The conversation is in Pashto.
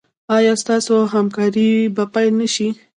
ایا ستاسو همکاري به پیل نه شي؟